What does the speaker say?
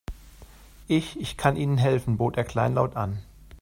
Ich, ich kann Ihnen helfen, bot er kleinlaut an.